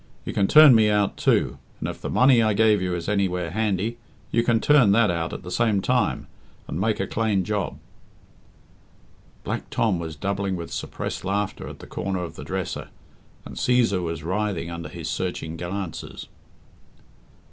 You can turn me out, too, and if the money I gave you is anywhere handy, you can turn that out at the same time and make a clane job." Black Tom was doubling with suppressed laughter at the corner of the dresser, and Cæsar was writhing under his searching glances.